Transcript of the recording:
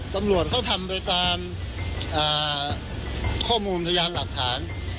ตำรวจเขาทำไปตามข้อมูลพยานหลักฐาน